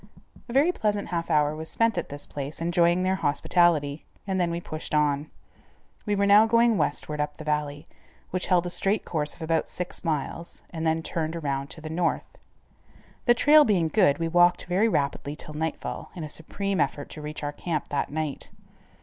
A very pleasant half hour was spent at this place, enjoying their hospitality, and then we pushed on. We were now going westward up the valley, which held a straight course of about six miles, and then turned around to the north. The trail being good, we walked very rapidly till nightfall in a supreme effort to reach our camp that night.